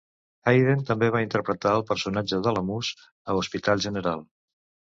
Hayden també va interpretar el personatge de la Mouse a "Hospital general".